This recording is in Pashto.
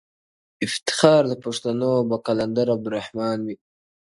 • افتخار د پښتنو به قلندر عبدالرحمن وي..